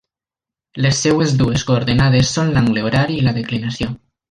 Les seves dues coordenades són l'angle horari i la declinació.